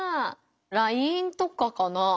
ＬＩＮＥとかかな？